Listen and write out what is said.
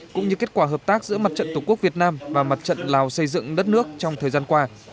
cũng như kết quả hợp tác giữa mặt trận tổ quốc việt nam và mặt trận lào xây dựng đất nước trong thời gian qua